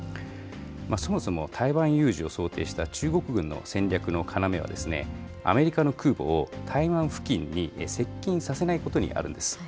そもそも台湾有事を想定した中国軍の戦略の要は、アメリカの空母を台湾付近に接近させないことにあるんです。